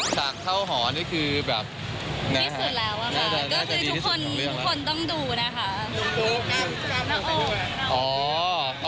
สักเข้าหอนี่คือแบบ